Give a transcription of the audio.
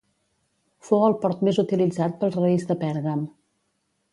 Fou el port més utilitzat pels reis de Pèrgam.